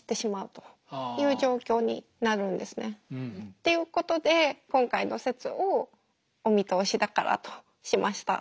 っていうことで今回の説を「お見通しだから」としました。